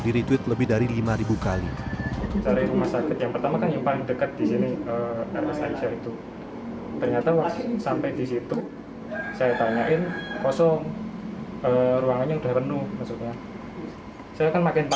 di retweet lebih dari lima ribu kali dari rumah sakit yang pertama kan depan dekat di sini